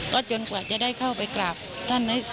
ก็จนกว่าจะได้เข้าไปกราบท่าน